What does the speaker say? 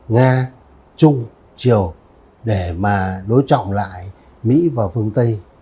nga trung triều để mà đối trọng lại mỹ và phương tây